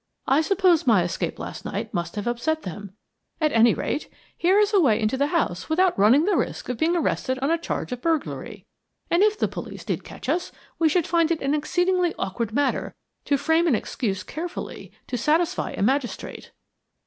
I suppose my escape last night must have upset them. At any rate, here is a way into the house without running the risk of being arrested on a charge of burglary, and if the police did catch us we should find it an exceedingly awkward matter to frame an excuse carefully, to satisfy a magistrate."